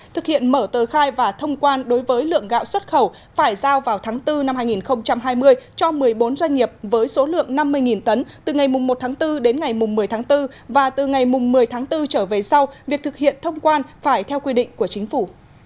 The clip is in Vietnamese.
thực hiện mở tờ khai và thông quan đối với lượng gạo xuất khẩu phải giao vào tháng bốn năm hai nghìn hai mươi cho một mươi bốn doanh nghiệp với số lượng năm mươi tấn từ ngày một tháng bốn đến ngày một mươi tháng bốn và từ ngày một mươi tháng bốn trở về sau việc thực hiện thông quan phải theo quy định của chính phủ